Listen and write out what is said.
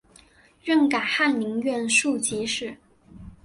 任改翰林院庶吉士。